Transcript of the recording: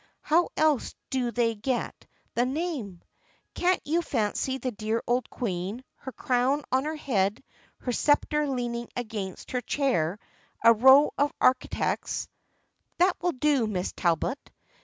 How else did they get the name ? Can't you fancy the dear old queen, her crown on her head, her sceptre leaning against her chair, a row of architects "" That will do, Miss Talbot.